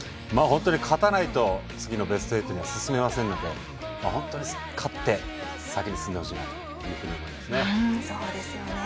勝たないと次のベスト８に進めませんので本当に勝って先に進んでほしいなと思いますね。